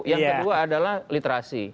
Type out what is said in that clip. yang kedua adalah literasi